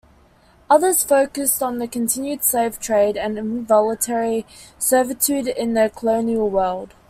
Others focused on the continued slave trade and involuntary servitude in the colonial world.